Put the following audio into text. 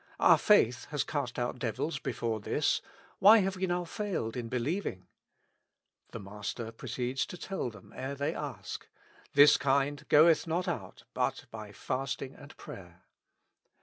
Our faith has cast out devils before this ; why have we now failed in believing?" The Master proceeds to tell them ere they ask : With Christ in the School of Prayer. *' This kind goeth not out but by fasting and prayer."